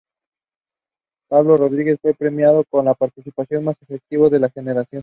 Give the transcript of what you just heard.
Pablo Rodríguez fue premiado como el participante más efectivo de la Generación.